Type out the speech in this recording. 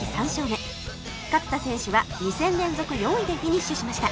勝田選手は２戦連続４位でフィニッシュしました